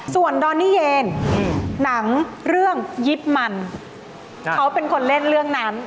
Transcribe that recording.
ส่วนดอนนี่เยนหนังเรื่องยิบมันเขาเป็นคนเล่นเรื่องนั้น